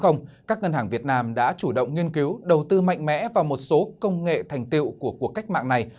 các ngân hàng việt nam đã chủ động nghiên cứu đầu tư mạnh mẽ vào một số công nghệ thành tiệu của cuộc cách mạng này